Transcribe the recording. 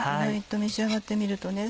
意外と召し上がってみると。